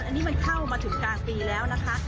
อันนี้มันเข้ามาถึงกลางปีแล้วนะคะ